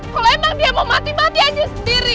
kalau emang dia mau mati mati aja sendiri